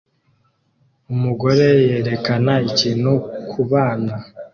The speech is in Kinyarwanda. Umugore yerekana ikintu kubana